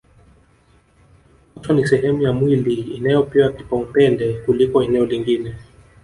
Uso ni sehemu ya mwili inayopewa kipaumbele kuliko eneo lingine